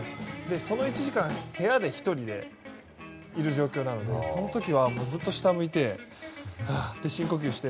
その１時間部屋で１人でいる状況なのでその時はずっと下を向いてはあって深呼吸をして。